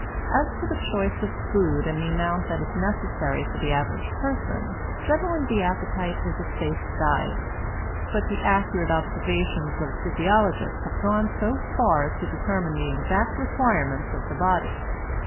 As to the choice of food and the amount that is necessary for the average person, generally the appetite is a safe guide; but the accurate observations of physiologists have gone so far as to determine the exact requirements of the body.